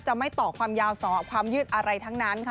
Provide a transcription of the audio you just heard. ไม่ต่อความยาวความยืดอะไรทั้งนั้นค่ะ